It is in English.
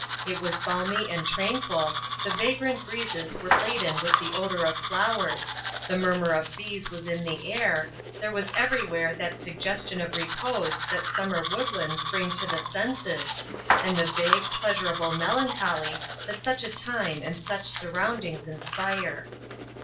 It was balmy and tranquil, the vagrant breezes were laden with the odor of flowers, the murmur of bees was in the air, there was everywhere that suggestion of repose that summer woodlands bring to the senses, and the vague, pleasurable melancholy that such a time and such surroundings inspire.